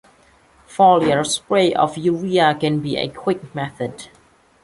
Foliar spray of urea can be a quick method.